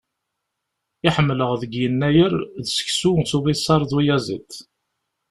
I ḥemmleɣ deg Yennayer, d seksu s ubisaṛ d uyaziḍ.